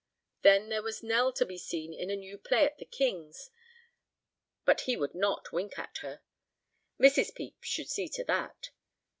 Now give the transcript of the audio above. Then there was Nell to be seen in a new play at The King's, but he would not wink at her. Mrs. Pepys should see to that.